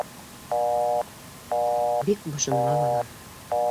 — Бик бошонма, балам.